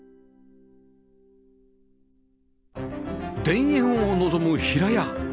田園を望む平屋